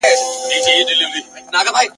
زړه یې لکه اوښکه د یعقوب راته زلال کړ !.